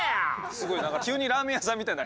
すごい何か急にラーメン屋さんみたいに。